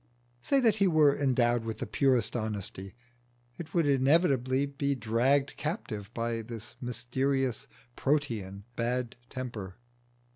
Say that he were endowed with the purest honesty, it would inevitably be dragged captive by this mysterious, Protean bad temper.